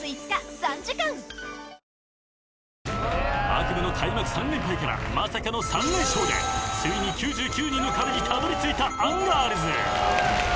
［悪夢の開幕３連敗からまさかの３連勝でついに９９人の壁にたどりついたアンガールズ］